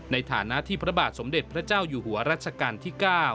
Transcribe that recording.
ในฐานะที่พระบาทสมเด็จพระเจ้าอยู่หัวรัชกาลที่๙